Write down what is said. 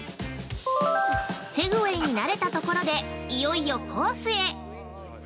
◆セグウェイに慣れたところで、いよいよコースへ！